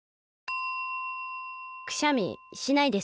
くしゃみしないですね。